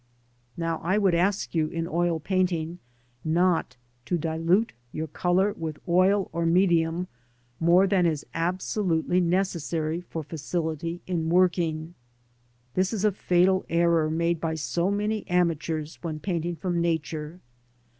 Now I would ask you in oil painting not to dilute your colour with oil or medium more than is absolutely necessary for facility in working. This is a fatal error made by so many amateurs when painting from Nature.